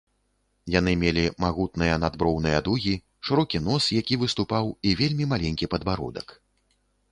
Яны мелі магутныя надброўныя дугі, шырокі нос, які выступаў і вельмі маленькі падбародак.